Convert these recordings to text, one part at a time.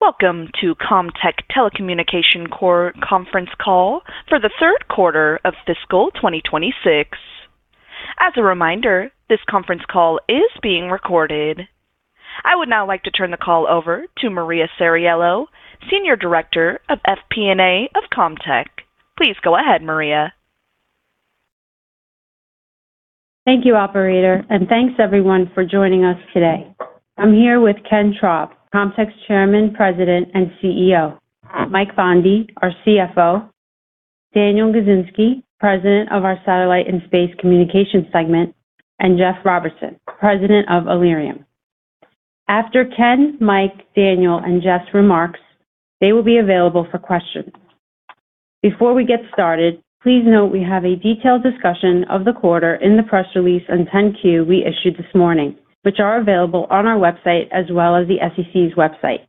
Welcome to Comtech Telecommunications Conference Call for the Third Quarter of Fiscal 2026. As a reminder, this conference call is being recorded. I would now like to turn the call over to Maria Ceriello, Senior Director of FP&A of Comtech. Please go ahead, Maria. Thank you, operator. Thanks everyone for joining us today. I'm here with Ken Traub, Comtech's Chairman, President, and CEO; Mike Bondi, our CFO; Daniel Gizinski, President of our Satellite and Space Communications segment; and Jeff Robertson, President of Allerium. After Ken, Mike, Daniel, and Jeff's remarks, they will be available for questions. Before we get started, please note we have a detailed discussion of the quarter in the press release on 10-Q we issued this morning, which are available on our website as well as the SEC's website.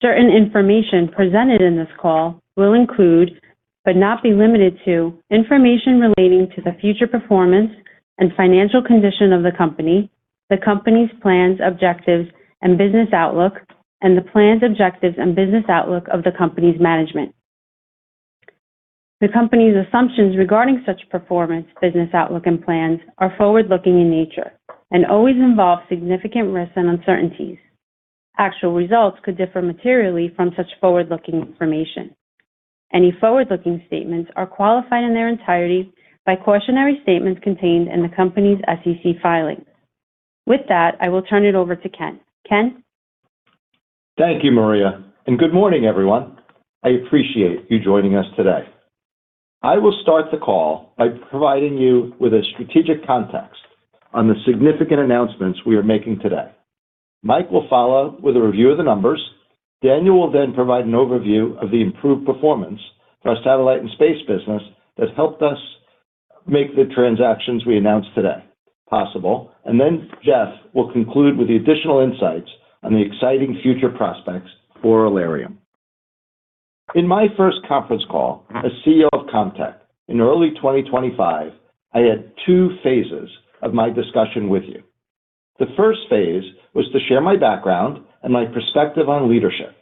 Certain information presented in this call will include, but not be limited to, information relating to the future performance and financial condition of the company, the company's plans, objectives, and business outlook, and the plans, objectives, and business outlook of the company's management. The company's assumptions regarding such performance, business outlook, and plans are forward-looking in nature and always involve significant risks and uncertainties. Actual results could differ materially from such forward-looking information. Any forward-looking statements are qualified in their entirety by cautionary statements contained in the company's SEC filings. With that, I will turn it over to Ken. Ken? Thank you, Maria. Good morning, everyone. I appreciate you joining us today. I will start the call by providing you with a strategic context on the significant announcements we are making today. Mike will follow with a review of the numbers. Daniel will provide an overview of the improved performance for our satellite and space business that helped us make the transactions we announced today possible. Jeff will conclude with the additional insights on the exciting future prospects for Allerium. In my first conference call as CEO of Comtech in early 2025, I had two phases of my discussion with you. The first phase was to share my background and my perspective on leadership.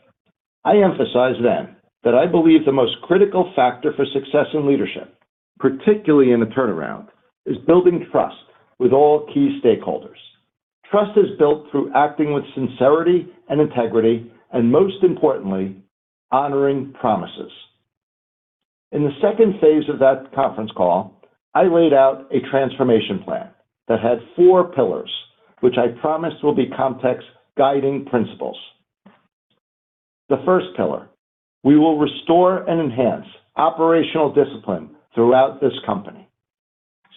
I emphasized then that I believe the most critical factor for success in leadership, particularly in a turnaround, is building trust with all key stakeholders. Trust is built through acting with sincerity and integrity, most importantly, honoring promises. In the second phase of that conference call, I laid out a transformation plan that had four pillars, which I promised will be Comtech's guiding principles. The first pillar, we will restore and enhance operational discipline throughout this company.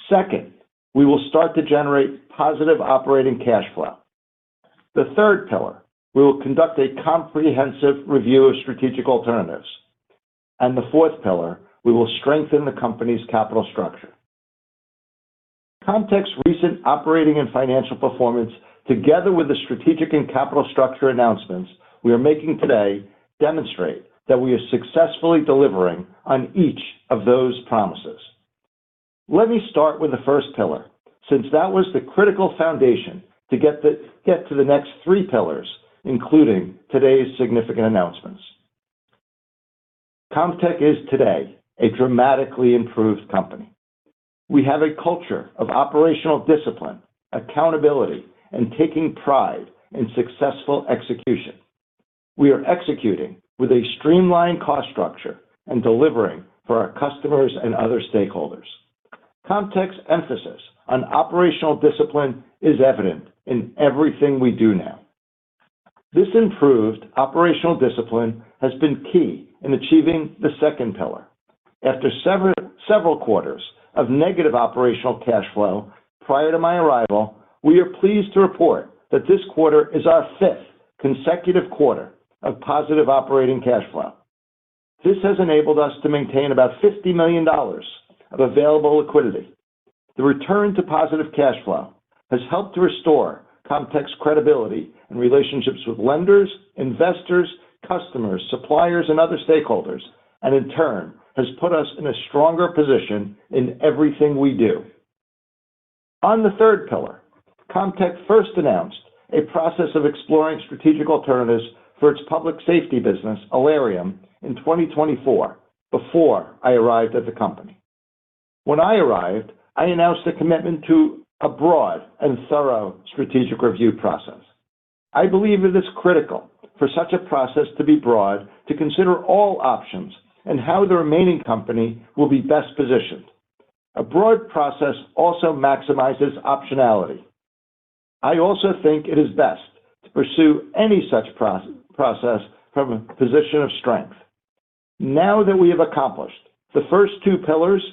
Second, we will start to generate positive operating cash flow. The third pillar, we will conduct a comprehensive review of strategic alternatives. The fourth pillar, we will strengthen the company's capital structure. Comtech's recent operating and financial performance, together with the strategic and capital structure announcements we are making today, demonstrate that we are successfully delivering on each of those promises. Let me start with the first pillar, since that was the critical foundation to get to the next three pillars, including today's significant announcements. Comtech is today a dramatically improved company. We have a culture of operational discipline, accountability, and taking pride in successful execution. We are executing with a streamlined cost structure and delivering for our customers and other stakeholders. Comtech's emphasis on operational discipline is evident in everything we do now. This improved operational discipline has been key in achieving the second pillar. After several quarters of negative operational cash flow prior to my arrival, we are pleased to report that this quarter is our fifth consecutive quarter of positive operating cash flow. This has enabled us to maintain about $50 million of available liquidity. The return to positive cash flow has helped to restore Comtech's credibility and relationships with lenders, investors, customers, suppliers, and other stakeholders, and in turn has put us in a stronger position in everything we do. On the third pillar, Comtech first announced a process of exploring strategic alternatives for its public safety business, Allerium, in 2024, before I arrived at the company. When I arrived, I announced a commitment to a broad and thorough strategic review process. I believe it is critical for such a process to be broad, to consider all options, and how the remaining company will be best positioned. A broad process also maximizes optionality. I also think it is best to pursue any such process from a position of strength. Now that we have accomplished the first two pillars,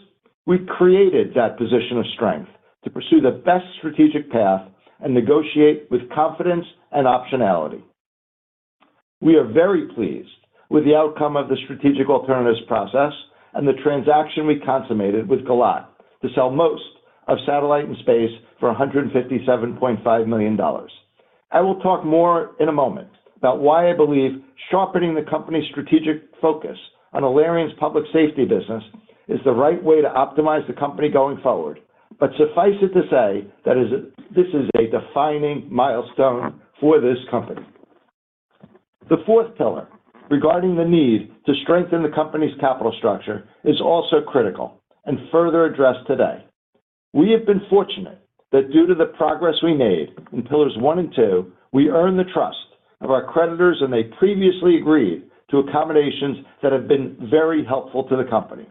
we've created that position of strength to pursue the best strategic path and negotiate with confidence and optionality. We are very pleased with the outcome of the strategic alternatives process and the transaction we consummated with Gilat to sell most of Satellite and Space for $157.5 million. I will talk more in a moment about why I believe sharpening the company's strategic focus on Allerium's public safety business is the right way to optimize the company going forward. Suffice it to say that this is a defining milestone for this company. The fourth pillar regarding the need to strengthen the company's capital structure is also critical and further addressed today. We have been fortunate that due to the progress we made in pillars one and two, we earned the trust of our creditors, and they previously agreed to accommodations that have been very helpful to the company.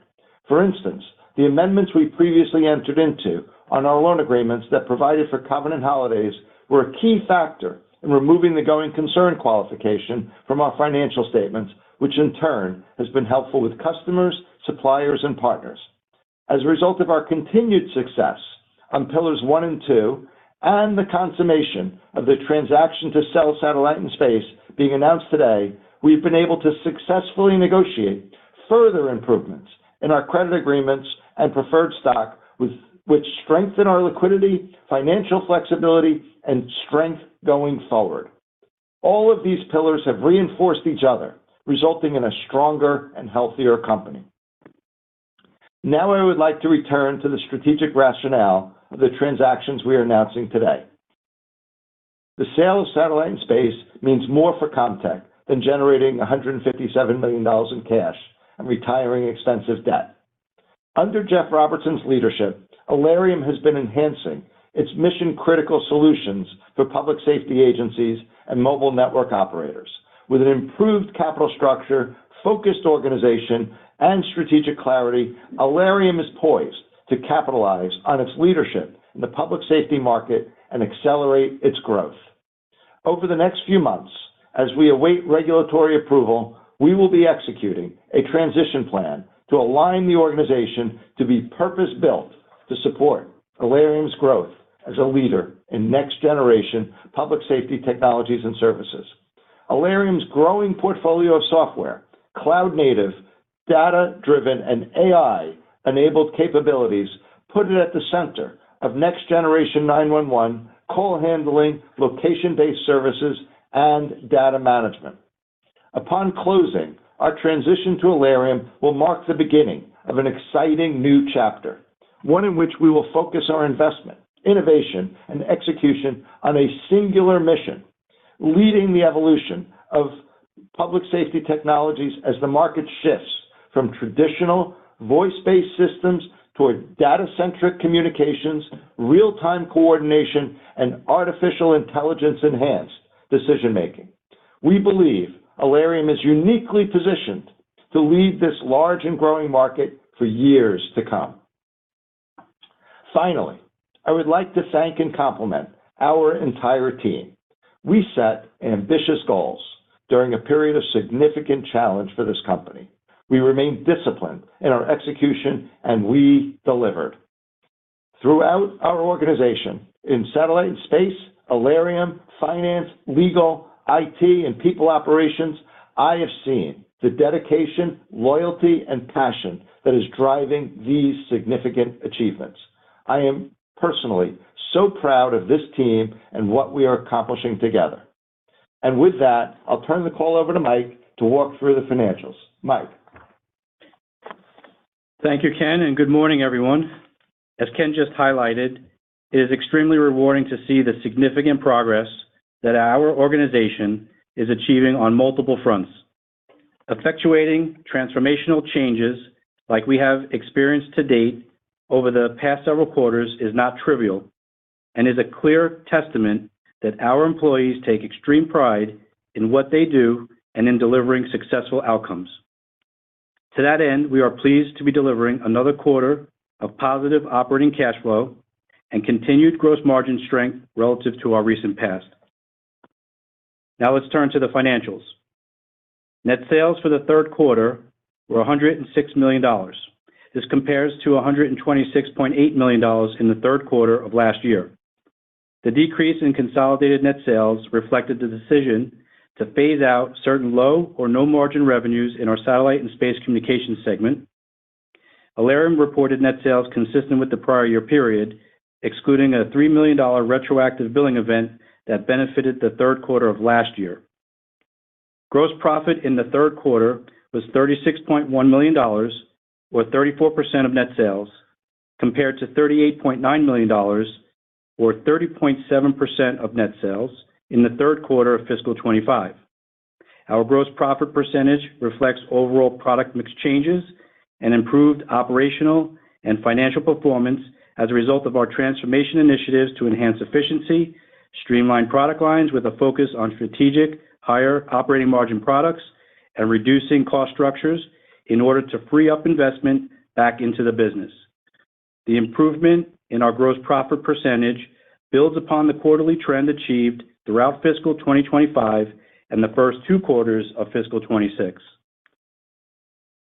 For instance, the amendments we previously entered into on our loan agreements that provided for covenant holidays were a key factor in removing the going concern qualification from our financial statements, which in turn has been helpful with customers, suppliers, and partners. As a result of our continued success on pillars one and two, and the consummation of the transaction to sell Satellite and Space being announced today, we've been able to successfully negotiate further improvements in our credit agreements and preferred stock, which strengthen our liquidity, financial flexibility, and strength going forward. All of these pillars have reinforced each other, resulting in a stronger and healthier company. Now, I would like to return to the strategic rationale of the transactions we are announcing today. The sale of Satellite and Space means more for Comtech than generating $157 million in cash and retiring extensive debt. Under Jeff Robertson's leadership, Allerium has been enhancing its mission-critical solutions for public safety agencies and mobile network operators. With an improved capital structure, focused organization, and strategic clarity, Allerium is poised to capitalize on its leadership in the public safety market and accelerate its growth. Over the next few months, as we await regulatory approval, we will be executing a transition plan to align the organization to be purpose-built to support Allerium's growth as a leader in next-generation public safety technologies and services. Allerium's growing portfolio of software, cloud-native, data-driven, and AI-enabled capabilities put it at the center of Next Generation 911 call handling, location-based services, and data management. Upon closing, our transition to Allerium will mark the beginning of an exciting new chapter, one in which we will focus our investment, innovation, and execution on a singular mission, leading the evolution of public safety technologies as the market shifts from traditional voice-based systems toward data-centric communications, real-time coordination, and artificial intelligence-enhanced decision-making. We believe Allerium is uniquely positioned to lead this large and growing market for years to come. Finally, I would like to thank and compliment our entire team. We set ambitious goals during a period of significant challenge for this company. We remained disciplined in our execution, and we delivered. Throughout our organization in Satellite and Space, Allerium, Finance, Legal, IT, and People Operations, I have seen the dedication, loyalty, and passion that is driving these significant achievements. I am personally so proud of this team and what we are accomplishing together. With that, I'll turn the call over to Mike to walk through the financials. Mike. Thank you, Ken, and good morning, everyone. As Ken just highlighted, it is extremely rewarding to see the significant progress that our organization is achieving on multiple fronts. Effectuating transformational changes like we have experienced to date over the past several quarters is not trivial and is a clear testament that our employees take extreme pride in what they do and in delivering successful outcomes. To that end, we are pleased to be delivering another quarter of positive operating cash flow and continued gross margin strength relative to our recent past. Now, let's turn to the financials. Net sales for the third quarter were $106 million. This compares to $126.8 million in the third quarter of last year. The decrease in consolidated net sales reflected the decision to phase out certain low or no-margin revenues in our Satellite and Space Communications segment. Allerium reported net sales consistent with the prior year period, excluding a $3 million retroactive billing event that benefited the third quarter of last year. Gross profit in the third quarter was $36.1 million, or 34% of net sales, compared to $38.9 million, or 30.7% of net sales in the third quarter of fiscal 2025. Our gross profit percentage reflects overall product mix changes and improved operational and financial performance as a result of our transformation initiatives to enhance efficiency, streamline product lines with a focus on strategic higher operating margin products, and reducing cost structures in order to free up investment back into the business. The improvement in our gross profit percentage builds upon the quarterly trend achieved throughout fiscal 2025 and the first two quarters of fiscal 2026.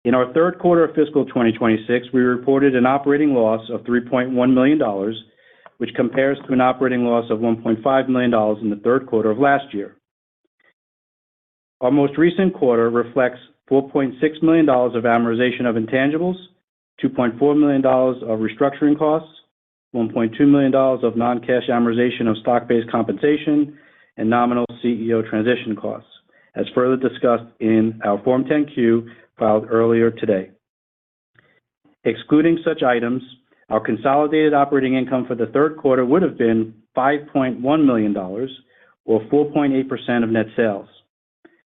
In our third quarter of fiscal 2026, we reported an operating loss of $3.1 million, which compares to an operating loss of $1.5 million in the third quarter of last year. Our most recent quarter reflects $4.6 million of amortization of intangibles, $2.4 million of restructuring costs, $1.2 million of non-cash amortization of stock-based compensation, and nominal CEO transition costs. As further discussed in our Form 10-Q filed earlier today. Excluding such items, our consolidated operating income for the third quarter would have been $5.1 million, or 4.8% of net sales.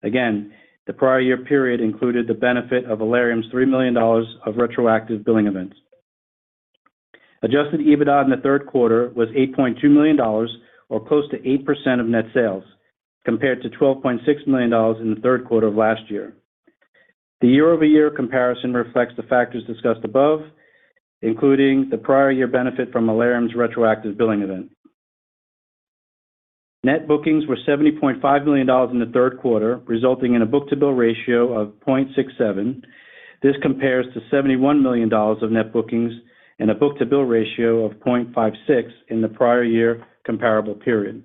Again, the prior year period included the benefit of Allerium's $3 million of retroactive billing events. Adjusted EBITDA in the third quarter was $8.2 million, or close to 8% of net sales, compared to $12.6 million in the third quarter of last year. The year-over-year comparison reflects the factors discussed above, including the prior year benefit from Allerium's retroactive billing event. Net bookings were $70.5 million in the third quarter, resulting in a book-to-bill ratio of 0.67x. This compares to $71 million of net bookings and a book-to-bill ratio of 0.56x in the prior year comparable period.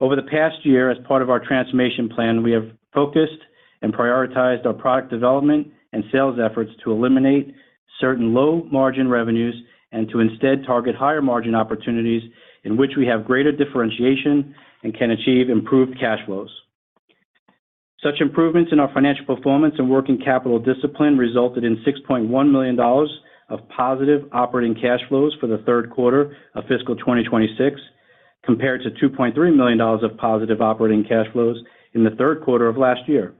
Over the past year, as part of our transformation plan, we have focused and prioritized our product development and sales efforts to eliminate certain low-margin revenues and to instead target higher-margin opportunities in which we have greater differentiation and can achieve improved cash flows. Such improvements in our financial performance and working capital discipline resulted in $6.1 million of positive operating cash flows for the third quarter of fiscal 2026, compared to $2.3 million of positive operating cash flows in the third quarter of last year.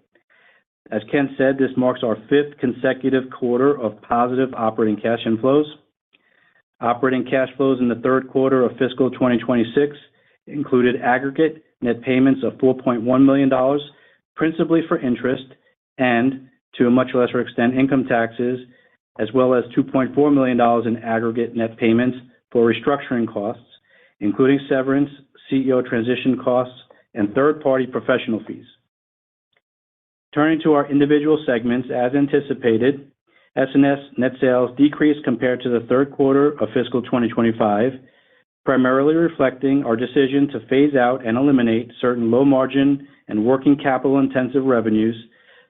As Ken said, this marks our fifth consecutive quarter of positive operating cash inflows. Operating cash flows in the third quarter of fiscal 2026 included aggregate net payments of $4.1 million, principally for interest, and, to a much lesser extent, income taxes, as well as $2.4 million in aggregate net payments for restructuring costs, including severance, CEO transition costs, and third-party professional fees. Turning to our individual segments, as anticipated, S&S net sales decreased compared to the third quarter of fiscal 2025, primarily reflecting our decision to phase out and eliminate certain low-margin and working capital-intensive revenues,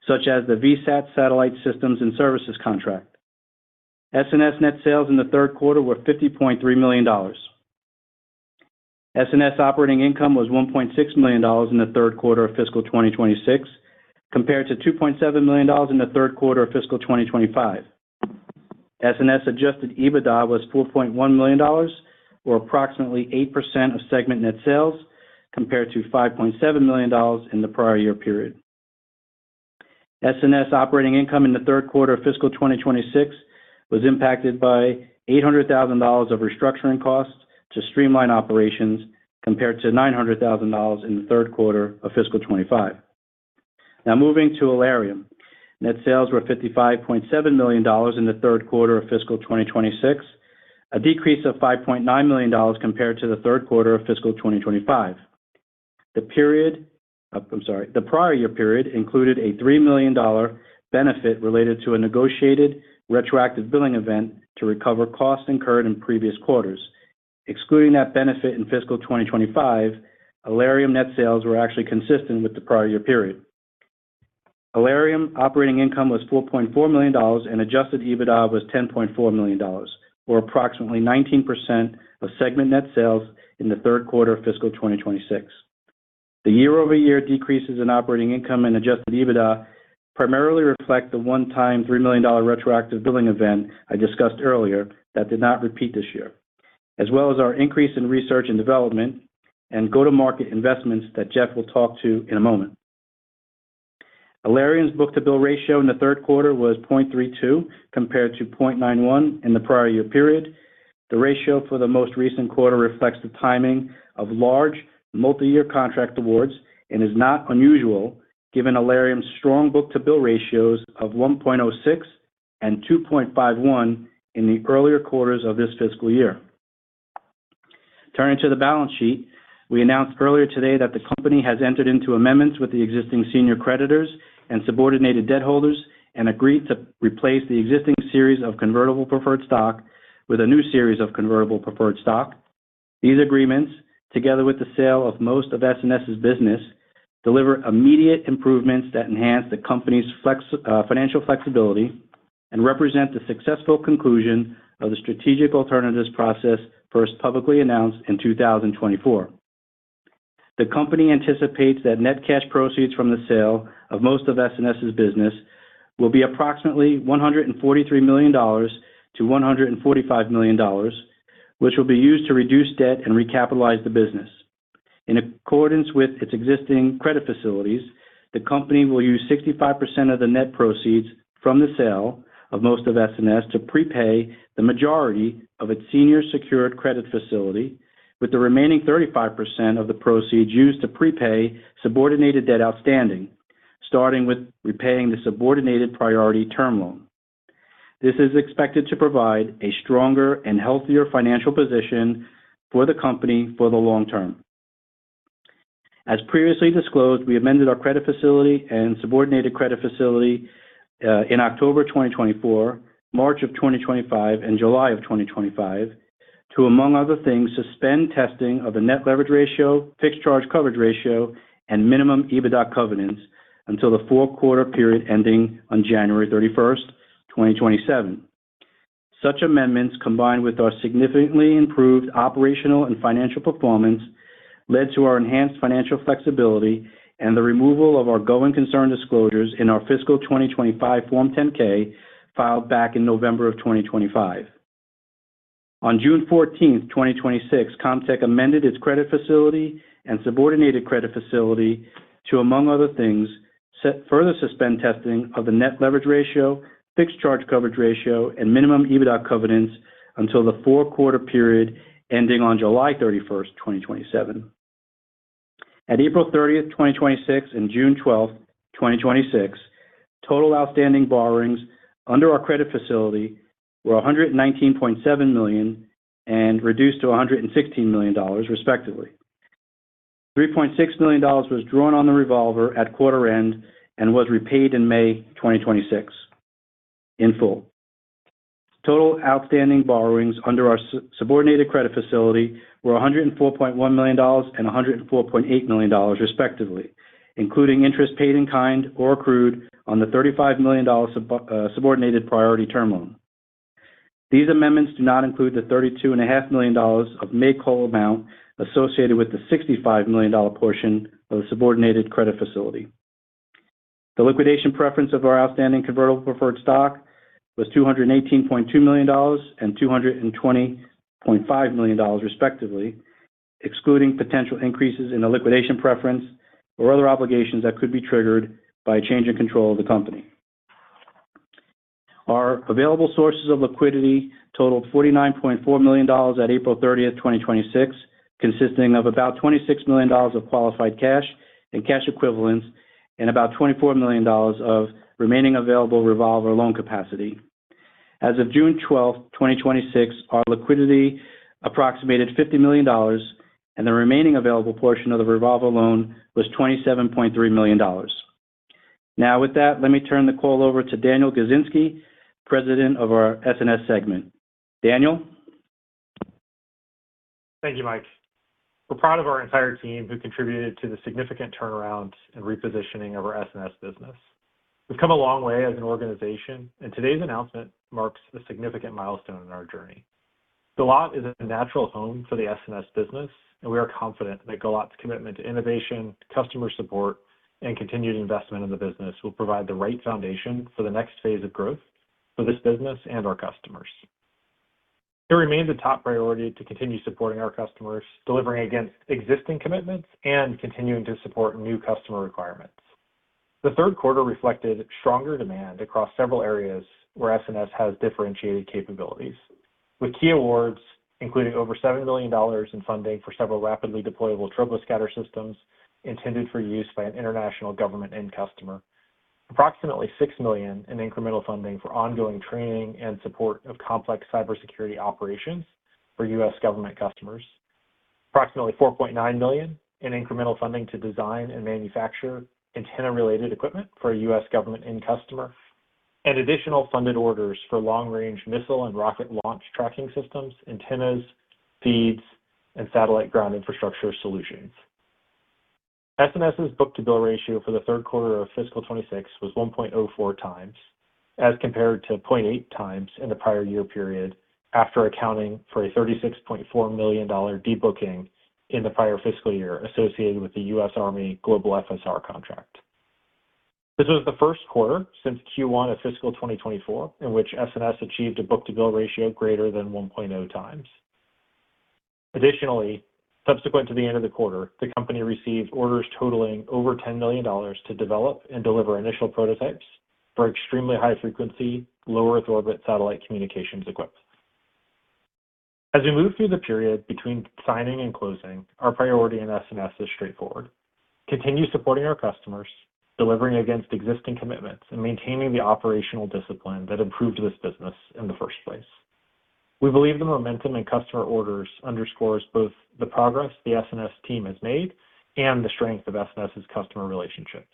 such as the VSAT Satellite Systems and Services Contract. S&S net sales in the third quarter were $50.3 million. S&S operating income was $1.6 million in the third quarter of fiscal 2026, compared to $2.7 million in the third quarter of fiscal 2025. S&S adjusted EBITDA was $4.1 million, or approximately 8% of segment net sales, compared to $5.7 million in the prior year period. S&S operating income in the third quarter of fiscal 2026 was impacted by $800,000 of restructuring costs to streamline operations, compared to $900,000 in the third quarter of fiscal 2025. Moving to Allerium. Net sales were $55.7 million in the third quarter of fiscal 2026, a decrease of $5.9 million compared to the third quarter of fiscal 2025. The prior year period included a $3 million benefit related to a negotiated retroactive billing event to recover costs incurred in previous quarters. Excluding that benefit in fiscal 2025, Allerium net sales were actually consistent with the prior year period. Allerium operating income was $4.4 million, and adjusted EBITDA was $10.4 million, or approximately 19% of segment net sales in the third quarter of fiscal 2026. The year-over-year decreases in operating income and adjusted EBITDA primarily reflect the one-time $3 million retroactive billing event I discussed earlier that did not repeat this year, as well as our increase in research and development and go-to-market investments that Jeff will talk to in a moment. Allerium's book-to-bill ratio in the third quarter was 0.32x, compared to 0.91x in the prior year period. The ratio for the most recent quarter reflects the timing of large multiyear contract awards and is not unusual given Allerium's strong book-to-bill ratios of 1.06x and 2.51x in the earlier quarters of this fiscal year. Turning to the balance sheet. We announced earlier today that the company has entered into amendments with the existing senior creditors and subordinated debt holders and agreed to replace the existing series of convertible preferred stock with a new series of convertible preferred stock. These agreements, together with the sale of most of S&S's business, deliver immediate improvements that enhance the company's financial flexibility and represent the successful conclusion of the strategic alternatives process first publicly announced in 2024. The company anticipates that net cash proceeds from the sale of most of S&S's business will be approximately $143 million to $145 million, which will be used to reduce debt and recapitalize the business. In accordance with its existing credit facilities, the company will use 65% of the net proceeds from the sale of most of S&S to prepay the majority of its senior secured credit facility, with the remaining 35% of the proceeds used to prepay subordinated debt outstanding, starting with repaying the subordinated priority term loan. This is expected to provide a stronger and healthier financial position for the company for the long term. As previously disclosed, we amended our credit facility and subordinated credit facility in October 2024, March of 2025, and July of 2025 to, among other things, suspend testing of the net leverage ratio, fixed charge coverage ratio, and minimum EBITDA covenants until the fourth quarter period ending on January 31st, 2027. Such amendments, combined with our significantly improved operational and financial performance, led to our enhanced financial flexibility and the removal of our going concern disclosures in our fiscal 2025 Form 10-K filed back in November of 2025. On June 14th, 2026, Comtech amended its credit facility and subordinated credit facility to, among other things, further suspend testing of the net leverage ratio, fixed charge coverage ratio, and minimum EBITDA covenants until the four-quarter period ending on July 31st, 2027. At April 30th, 2026 and June 12th, 2026, total outstanding borrowings under our credit facility were $119.7 million and reduced to $116 million, respectively. $3.6 million was drawn on the revolver at quarter end and was repaid in May 2026 in full. Total outstanding borrowings under our subordinated credit facility were $104.1 million and $104.8 million, respectively, including interest paid in kind or accrued on the $35 million subordinated priority term loan. These amendments do not include the $32.5 million of make-whole amount associated with the $65 million portion of the subordinated credit facility. The liquidation preference of our outstanding convertible preferred stock was $218.2 million and $220.5 million, respectively, excluding potential increases in the liquidation preference or other obligations that could be triggered by a change in control of the company. Our available sources of liquidity totaled $49.4 million at April 30th, 2026, consisting of about $26 million of qualified cash and cash equivalents and about $24 million of remaining available revolver loan capacity. As of June 12th, 2026, our liquidity approximated $50 million, and the remaining available portion of the revolver loan was $27.3 million. With that, let me turn the call over to Daniel Gizinski, President of our S&S segment. Daniel? Thank you, Mike. We're proud of our entire team who contributed to the significant turnaround and repositioning of our S&S business. We've come a long way as an organization, and today's announcement marks a significant milestone in our journey. Gilat is a natural home for the S&S business, and we are confident that Gilat's commitment to innovation, customer support, and continued investment in the business will provide the right foundation for the next phase of growth for this business and our customers. It remains a top priority to continue supporting our customers, delivering against existing commitments, and continuing to support new customer requirements. The third quarter reflected stronger demand across several areas where S&S has differentiated capabilities, with key awards including over $7 million in funding for several rapidly deployable Troposcatter systems intended for use by an international government end customer. Approximately $6 million in incremental funding for ongoing training and support of complex cybersecurity operations for U.S. government customers. Approximately $4.9 million in incremental funding to design and manufacture antenna-related equipment for a U.S. government end customer, and additional funded orders for long-range missile and rocket launch tracking systems, antennas, feeds, and satellite ground infrastructure solutions. S&S's book-to-bill ratio for the third quarter of fiscal 2026 was 1.04x, as compared to 0.8x in the prior year period, after accounting for a $36.4 million debooking in the prior fiscal year associated with the U.S. Army global FSR contract. This was the first quarter since Q1 of FY 2024 in which S&S achieved a book-to-bill ratio greater than 1.0x. Additionally, subsequent to the end of the quarter, the company received orders totaling over $10 million to develop and deliver initial prototypes for extremely high frequency, low Earth orbit satellite communications equipment. As we move through the period between signing and closing, our priority in S&S is straightforward: continue supporting our customers, delivering against existing commitments, and maintaining the operational discipline that improved this business in the first place. We believe the momentum in customer orders underscores both the progress the S&S team has made and the strength of S&S's customer relationships.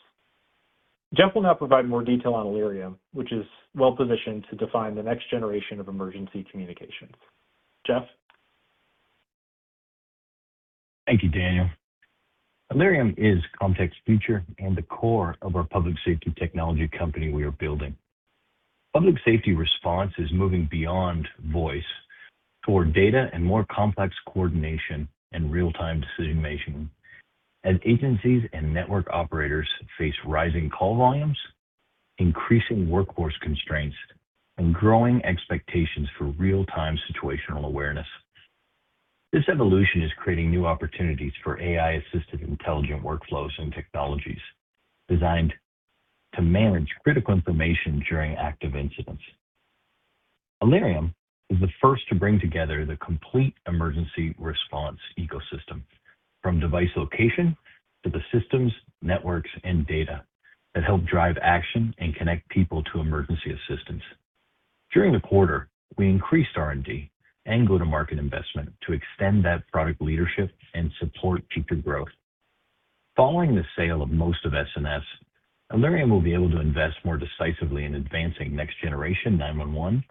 Jeff will now provide more detail on Allerium, which is well-positioned to define the next generation of emergency communications. Jeff? Thank you, Daniel. Allerium is Comtech's future and the core of our public safety technology company we are building. Public safety response is moving beyond voice toward data and more complex coordination and real-time decision-making, as agencies and network operators face rising call volumes, increasing workforce constraints, and growing expectations for real-time situational awareness. This evolution is creating new opportunities for AI-assisted intelligent workflows and technologies designed to manage critical information during active incidents. Allerium is the first to bring together the complete emergency response ecosystem, from device location to the systems, networks, and data that help drive action and connect people to emergency assistance. During the quarter, we increased R&D and go-to-market investment to extend that product leadership and support future growth. Following the sale of most of S&S, Allerium will be able to invest more decisively in advancing Next Generation 911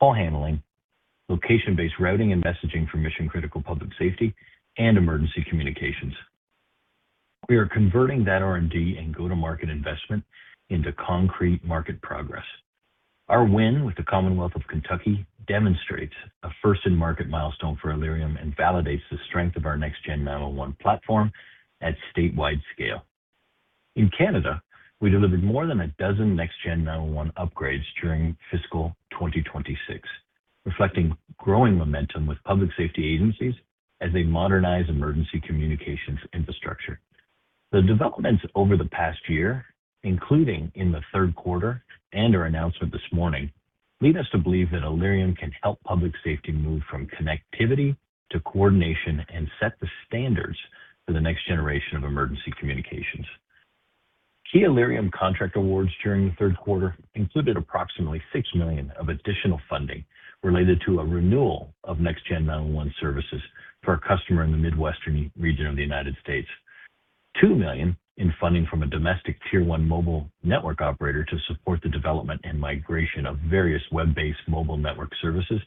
call handling, location-based routing and messaging for mission-critical public safety and emergency communications. We are converting that R&D and go-to-market investment into concrete market progress. Our win with the Commonwealth of Kentucky demonstrates a first-in-market milestone for Allerium and validates the strength of our Next Gen 911 platform at statewide scale. In Canada, we delivered more than a dozen Next Gen 911 upgrades during fiscal 2026, reflecting growing momentum with public safety agencies as they modernize emergency communications infrastructure. The developments over the past year, including in the third quarter and our announcement this morning, lead us to believe that Allerium can help public safety move from connectivity to coordination and set the standards for the next generation of emergency communications. Key Allerium contract awards during the third quarter included approximately $6 million of additional funding related to a renewal of Next Gen 911 services for a customer in the Midwestern region of the United States, $2 million in funding from a domestic Tier-1 mobile network operator to support the development and migration of various web-based mobile network services,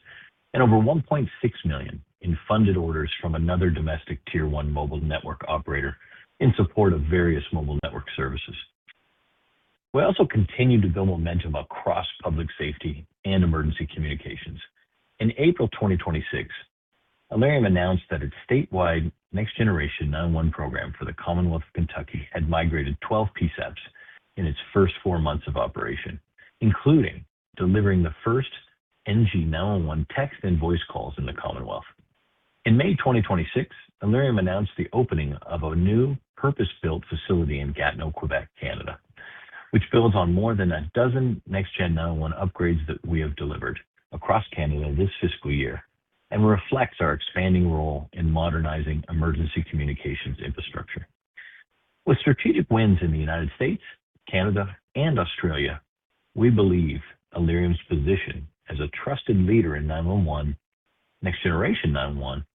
and over $1.6 million in funded orders from another domestic Tier-1 mobile network operator in support of various mobile network services. We also continue to build momentum across public safety and emergency communications. In April 2026, Allerium announced that its statewide Next Generation 911 program for the Commonwealth of Kentucky had migrated 12 PSAPs in its first four months of operation, including delivering the first NG911 text and voice calls in the Commonwealth. In May 2026, Allerium announced the opening of a new purpose-built facility in Gatineau, Quebec, Canada, which builds on more than a dozen Next Gen 911 upgrades that we have delivered across Canada this fiscal year and reflects our expanding role in modernizing emergency communications infrastructure. With strategic wins in the United States, Canada, and Australia, we believe Allerium's position as a trusted leader in 911, Next Generation 911,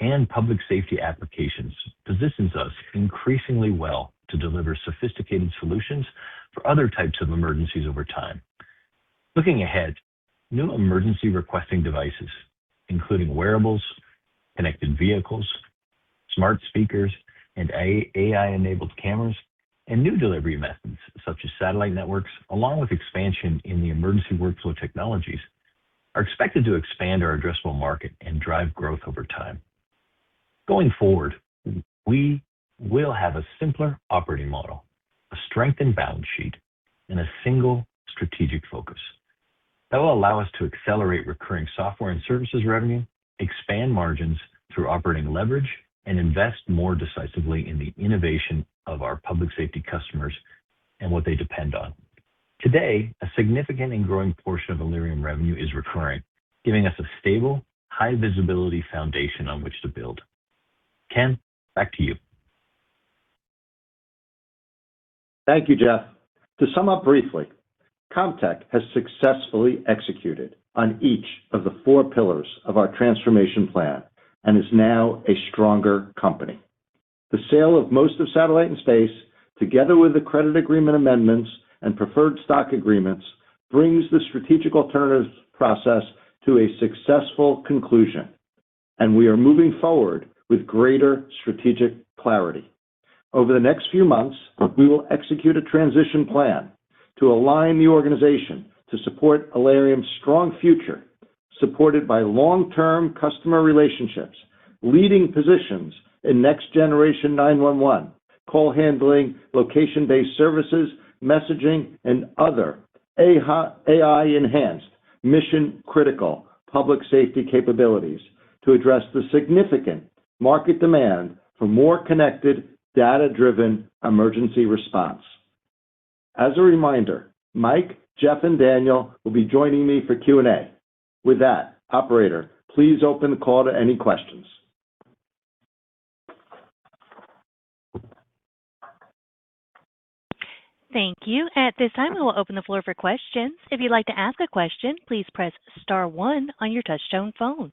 and public safety applications positions us increasingly well to deliver sophisticated solutions for other types of emergencies over time. Looking ahead, new emergency requesting devices, including wearables, connected vehicles, smart speakers, and AI-enabled cameras, and new delivery methods such as satellite networks, along with expansion in the emergency workflow technologies, are expected to expand our addressable market and drive growth over time. Going forward, we will have a simpler operating model, a strengthened balance sheet, and a single strategic focus. That will allow us to accelerate recurring software and services revenue, expand margins through operating leverage, and invest more decisively in the innovation of our public safety customers and what they depend on. Today, a significant and growing portion of Allerium revenue is recurring, giving us a stable, high-visibility foundation on which to build. Ken, back to you. Thank you, Jeff. To sum up briefly, Comtech has successfully executed on each of the four pillars of our transformation plan and is now a stronger company. The sale of most of Satellite and Space, together with the credit agreement amendments and preferred stock agreements, brings the strategic alternatives process to a successful conclusion, and we are moving forward with greater strategic clarity. Over the next few months, we will execute a transition plan to align the organization to support Allerium's strong future, supported by long-term customer relationships, leading positions in Next Generation 911, call handling, location-based services, messaging, and other AI-enhanced, mission-critical public safety capabilities to address the significant market demand for more connected, data-driven emergency response. As a reminder, Mike, Jeff, and Daniel will be joining me for Q&A. With that, operator, please open the call to any questions. Thank you. At this time, we will open the floor for questions. If you'd like to ask a question, please press star one on your touchtone phone.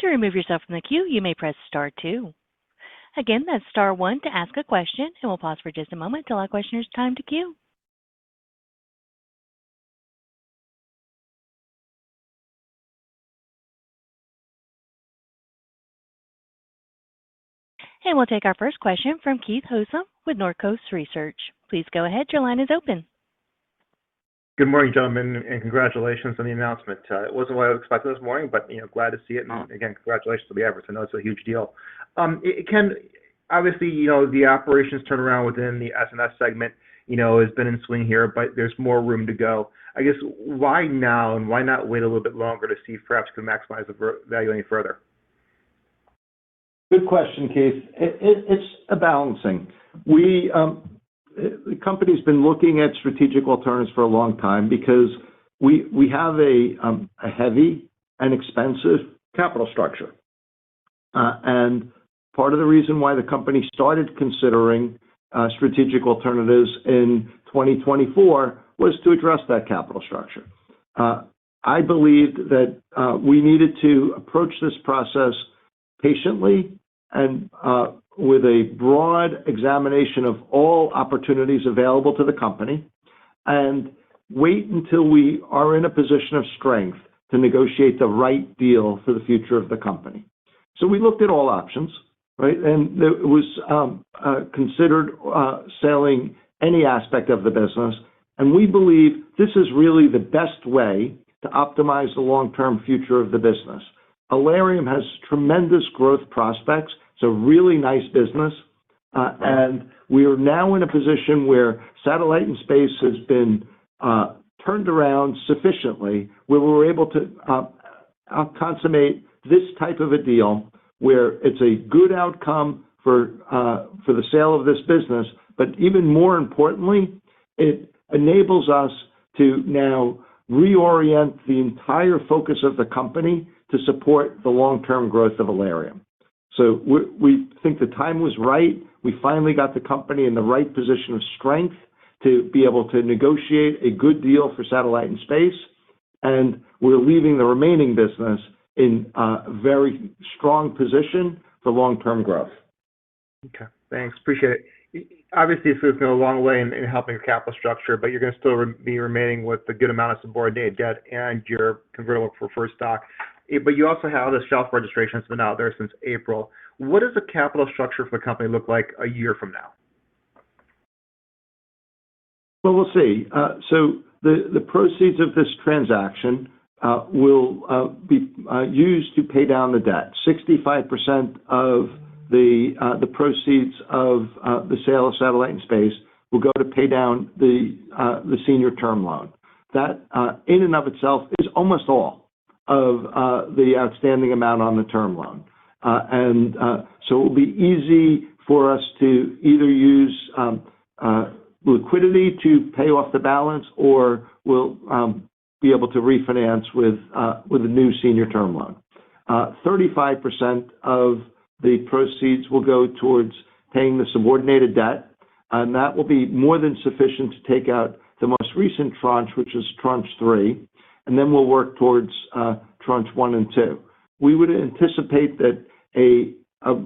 To remove yourself from the queue, you may press star two. Again, that's star one to ask a question, and we'll pause for just a moment to allow questioners time to queue. We'll take our first question from Keith Housum with Northcoast Research. Please go ahead. Your line is open. Good morning, gentlemen. And congratulations on the announcement. It wasn't what I expected this morning, but glad to see it. Again, congratulations to the efforts. I know it's a huge deal. Ken, obviously, the operations turnaround within the S&S segment has been in swing here, but there's more room to go. I guess why now, and why not wait a little bit longer to see if perhaps you can maximize the value any further? Good question, Keith. It's a balancing. The company's been looking at strategic alternatives for a long time because we have a heavy and expensive capital structure. Part of the reason why the company started considering strategic alternatives in 2024 was to address that capital structure. I believed that we needed to approach this process patiently and with a broad examination of all opportunities available to the company. Wait until we are in a position of strength to negotiate the right deal for the future of the company. We looked at all options, right? It was considered selling any aspect of the business, and we believe this is really the best way to optimize the long-term future of the business. Allerium has tremendous growth prospects, it's a really nice business, and we are now in a position where Satellite and Space has been turned around sufficiently where we're able to consummate this type of a deal where it's a good outcome for the sale of this business. Even more importantly, it enables us to now reorient the entire focus of the company to support the long-term growth of Allerium. We think the time was right. We finally got the company in the right position of strength to be able to negotiate a good deal for Satellite and Space, and we're leaving the remaining business in a very strong position for long-term growth. Okay, thanks. Appreciate it. Obviously, this has been a long way in helping capital structure, but you're going to still be remaining with a good amount of subordinated debt and your convertible preferred stock. You also have the shelf registration that's been out there since April. What does the capital structure for the company look like a year from now? Well, we'll see. The proceeds of this transaction will be used to pay down the debt. 65% of the proceeds of the sale of Satellite and Space will go to pay down the senior term loan. That in and of itself is almost all of the outstanding amount on the term loan. It'll be easy for us to either use liquidity to pay off the balance, or we'll be able to refinance with a new senior term loan. 35% of the proceeds will go towards paying the subordinated debt, and that will be more than sufficient to take out the most recent tranche, which is Tranche 3, and then we'll work towards Tranche 1 and 2. We would anticipate that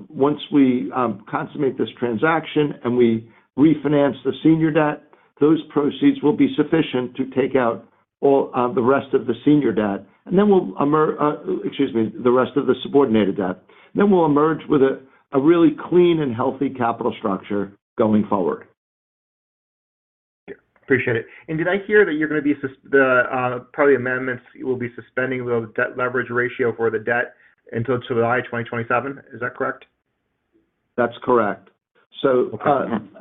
once we consummate this transaction and we refinance the senior debt, those proceeds will be sufficient to take out all the rest of the senior debt. Excuse me, the rest of the subordinated debt. We'll emerge with a really clean and healthy capital structure going forward. Appreciate it. Did I hear that you're going to be, probably amendments, suspending the debt leverage ratio for the debt until July 2027. Is that correct? That's correct. Okay.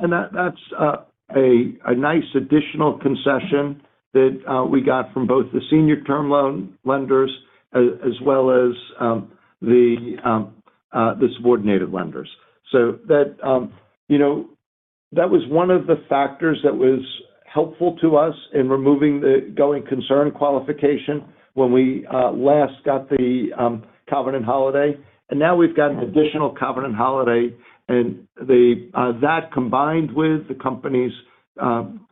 That's a nice additional concession that we got from both the senior term loan lenders as well as the subordinated lenders. That was one of the factors that was helpful to us in removing the going concern qualification when we last got the covenant holiday. Now we've got an additional covenant holiday, and that, combined with the company's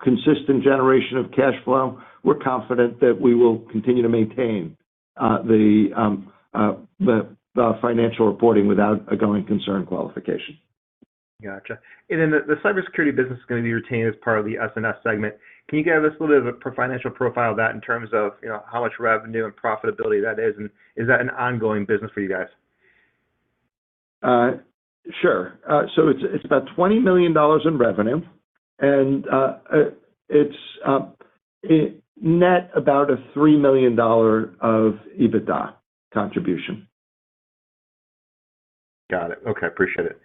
consistent generation of cash flow, we're confident that we will continue to maintain the financial reporting without a going concern qualification. Got it. The cybersecurity business is going to be retained as part of the S&S segment. Can you give us a little bit of a financial profile of that in terms of how much revenue and profitability that is, and is that an ongoing business for you guys? Sure. It's about $20 million in revenue, and it net about a $3 million of EBITDA contribution. Got it. Okay. Appreciate it.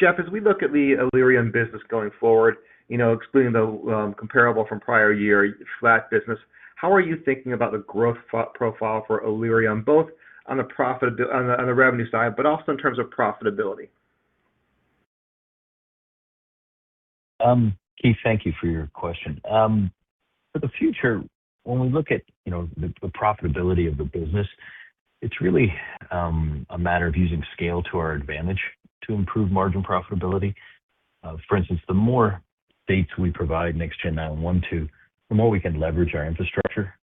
Jeff, as we look at the Allerium business going forward, excluding the comparable from prior year flat business, how are you thinking about the growth profile for Allerium, both on the revenue side, but also in terms of profitability? Keith, thank you for your question. For the future, when we look at the profitability of the business, it's really a matter of using scale to our advantage to improve margin profitability. For instance, the more states we provide Next Gen 911 to, the more we can leverage our infrastructure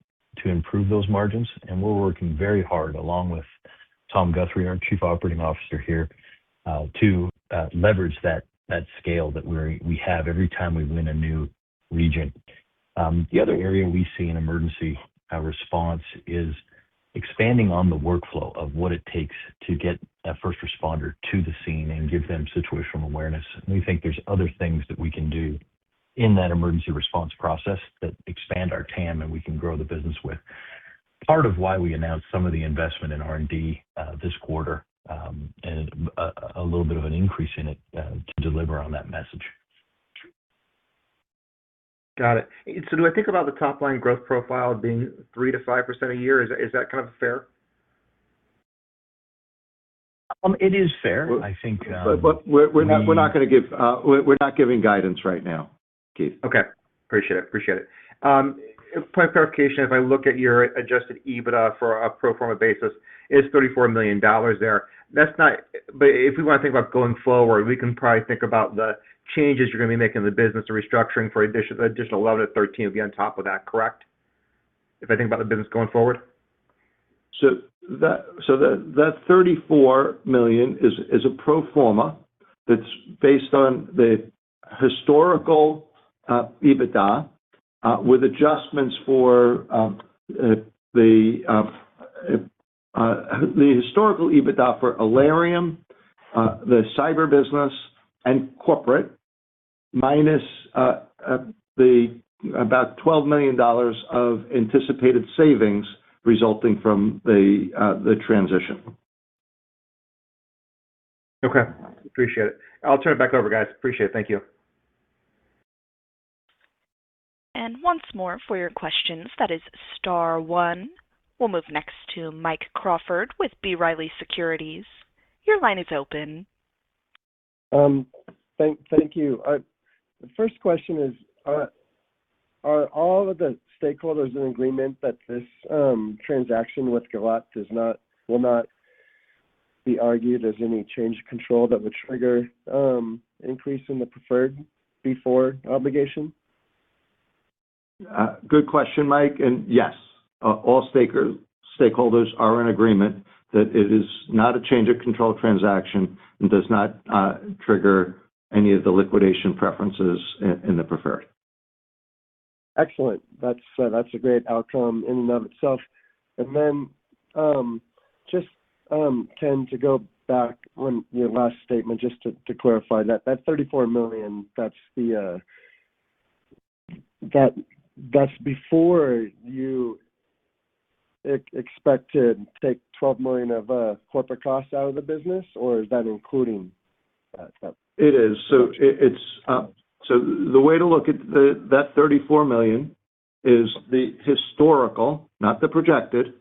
to improve those margins. We're working very hard, along with Tom Guthrie, our Chief Operating Officer here, to leverage that scale that we have every time we win a new region. The other area we see in emergency response is expanding on the workflow of what it takes to get a first responder to the scene and give them situational awareness. We think there's other things that we can do in that emergency response process that expand our TAM and we can grow the business with. Part of why we announced some of the investment in R&D this quarter, and a little bit of an increase in it, to deliver on that message. Got it. Do I think about the top line growth profile being 3%-5% a year? Is that kind of fair? It is fair. We're not giving guidance right now, Keith. Okay. Appreciate it. For clarification, if I look at your adjusted EBITDA for a pro forma basis, it's $34 million there. If we want to think about going forward, we can probably think about the changes you're going to be making in the business, the restructuring for additional $11 million-$13 million will be on top of that, correct? If I think about the business going forward? That $34 million is a pro forma that's based on the historical EBITDA, with adjustments for the historical EBITDA for Allerium, the cyber business, and corporate, minus about $12 million of anticipated savings resulting from the transition. Okay. Appreciate it. I'll turn it back over, guys. Appreciate it. Thank you. Once more for your questions, that is star one. We will move next to Mike Crawford with B. Riley Securities. Your line is open. Thank you. First question is, are all of the stakeholders in agreement that this transaction with Gilat will not be argued as any change of control that would trigger increase in the preferred before obligation? Good question, Mike, yes. All stakeholders are in agreement that it is not a change of control transaction and does not trigger any of the liquidation preferences in the preferred. Excellent. That's a great outcome in and of itself. Then, just, Ken, to go back on your last statement, just to clarify that $34 million, that's before you expect to take $12 million of corporate costs out of the business, or is that including that $12 million? It is. The way to look at that $34 million is the historical, not the projected,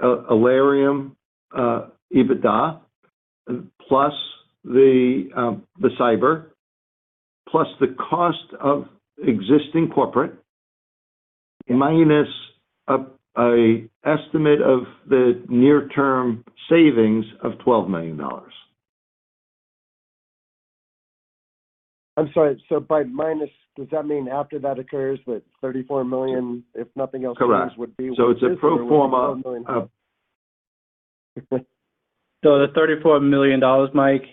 Allerium EBITDA, plus the cyber, plus the cost of existing corporate, minus an estimate of the near-term savings of $12 million. I'm sorry. By minus, does that mean after that occurs, that $34 million, if nothing else changes would be what it is? It's a pro forma of-- The $34 million, Mike,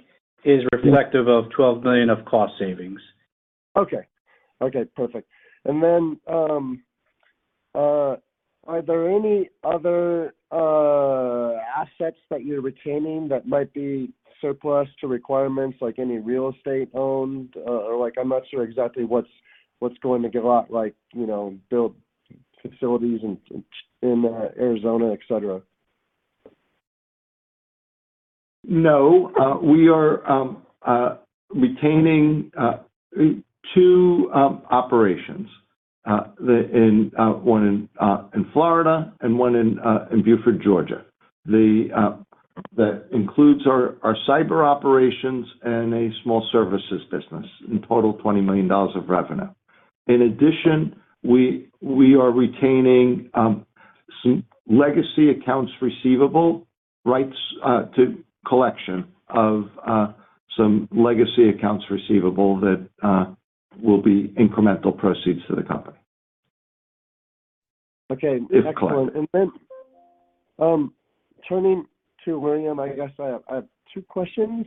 is reflective of $12 million of cost savings. Okay. Perfect. Are there any other assets that you're retaining that might be surplus to requirements, like any real estate owned? I'm not sure exactly what's going to Gilat, like, build facilities in Arizona, et cetera. No. We are retaining two operations, one in Florida and one in Buford, Georgia. That includes our cyber operations and a small services business. In total, $20 million of revenue. In addition, we are retaining legacy accounts receivable, rights to collection of some legacy accounts receivable that will be incremental proceeds to the company. Okay. If collected. Excellent. Turning to Allerium, I guess I have two questions.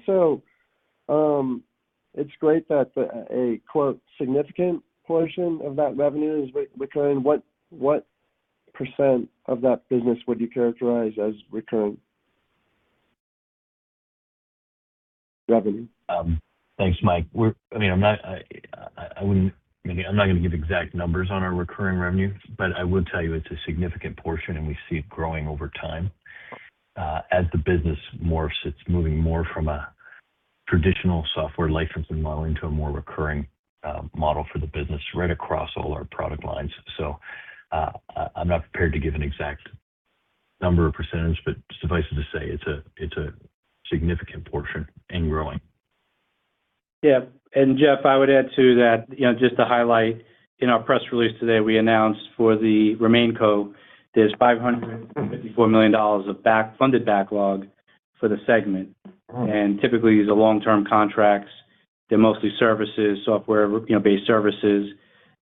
It's great that a, quote, "significant portion" of that revenue is recurring. What percent of that business would you characterize as recurring revenue? Thanks, Mike. I'm not going to give exact numbers on our recurring revenue, but I will tell you it's a significant portion, and we see it growing over time. As the business morphs, it's moving more from a traditional software licensing model into a more recurring model for the business right across all our product lines. I'm not prepared to give an exact number or percentage, but suffice it to say, it's a significant portion and growing. Yeah. Jeff, I would add to that, just to highlight, in our press release today, we announced for the RemainCo, there's $554 million of funded backlog for the segment. Typically, these are long-term contracts. They're mostly services, software-based services.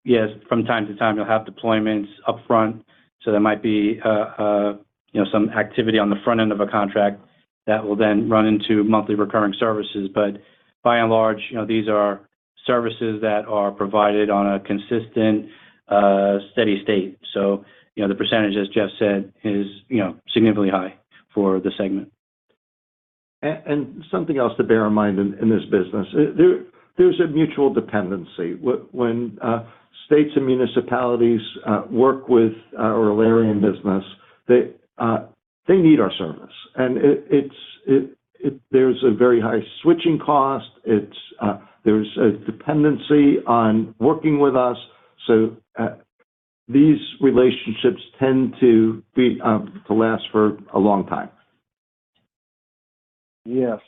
Yes, from time to time, you'll have deployments upfront, there might be some activity on the front end of a contract that will then run into monthly recurring services. By and large, these are services that are provided on a consistent, steady state. The percentage, as Jeff said, is significantly high for the segment. Something else to bear in mind in this business, there's a mutual dependency. When states and municipalities work with our Allerium business, they need our service. There's a very high switching cost. There's a dependency on working with us, so these relationships tend to last for a long time. Yes.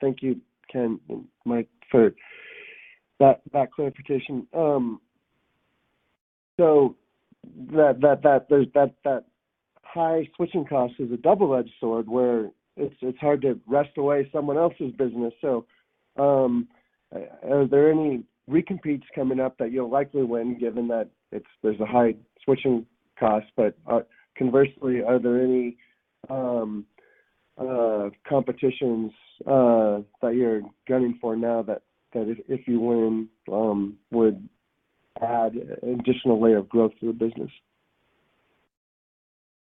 Thank you, Ken, Mike, for that clarification. That high switching cost is a double-edged sword where it's hard to wrest away someone else's business. Are there any recompetes coming up that you'll likely win, given that there's a high switching cost? Conversely, are there any competitions that you're gunning for now that if you win, would add additional layer of growth to the business?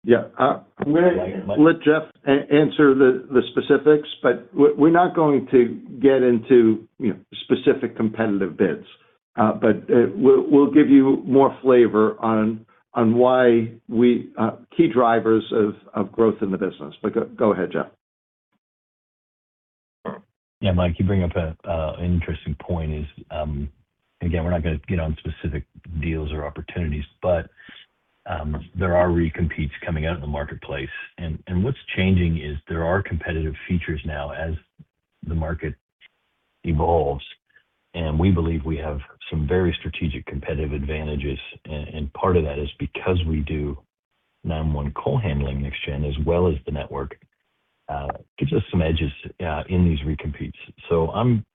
I'm going to let Jeff answer the specifics, but we're not going to get into specific competitive bids. We'll give you more flavor on key drivers of growth in the business. Go ahead, Jeff. Mike, you bring up an interesting point is, again, we're not going to get on specific deals or opportunities, but there are recompetes coming out in the marketplace. What's changing is there are competitive features now as the market evolves, and we believe we have some very strategic competitive advantages. Part of that is because we do 911 call handling Next Gen as well as the network, gives us some edges in these recompetes. I'm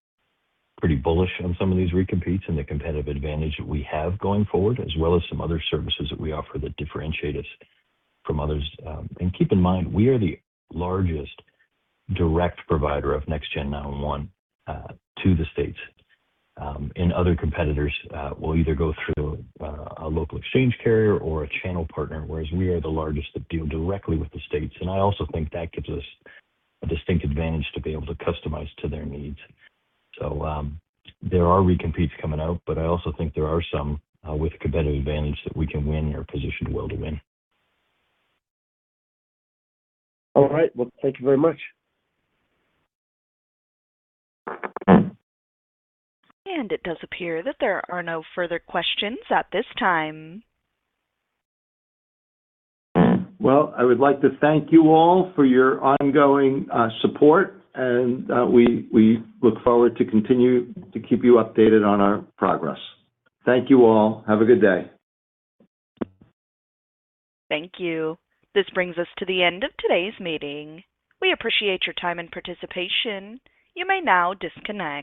pretty bullish on some of these recompetes and the competitive advantage that we have going forward, as well as some other services that we offer that differentiate us from others. Keep in mind, we are the largest direct provider of Next Gen 911 to the states. Other competitors will either go through a local exchange carrier or a channel partner, whereas we are the largest that deal directly with the states. I also think that gives us a distinct advantage to be able to customize to their needs. There are recompetes coming out, I also think there are some with competitive advantage that we can win or position well to win. All right. Well, thank you very much. It does appear that there are no further questions at this time. Well, I would like to thank you all for your ongoing support, we look forward to continue to keep you updated on our progress. Thank you all. Have a good day. Thank you. This brings us to the end of today's meeting. We appreciate your time and participation. You may now disconnect.